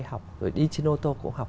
học rồi đi trên ô tô cũng học